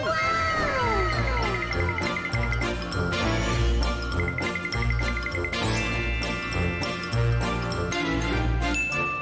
ว้าว